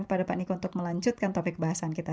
kepada pak niko untuk melanjutkan topik bahasan kita